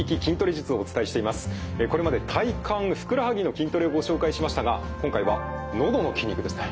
これまで体幹ふくらはぎの筋トレをご紹介しましたが今回はのどの筋肉ですね。